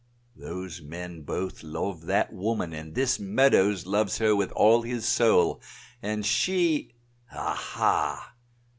"Those men both love that woman, and this Meadows loves her with all his soul, and she aha!"